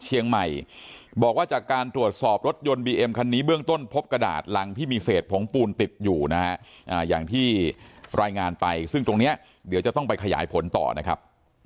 เชียงใหม่บอกว่าจากการตรวจสอบรถยนต์บีเอ็มคันนี้เบื้องต้นพบกระดาษรังที่มีเศษผงปูนติดอยู่นะฮะอย่างที่รายงานไปซึ่งตรงนี้เดี๋ยวจะต้องไปขยายผลต่อนะครับ